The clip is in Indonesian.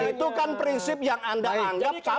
itu kan prinsip yang anda anggap